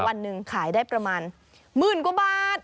วันหนึ่งขายได้ประมาณหมื่นกว่าบาท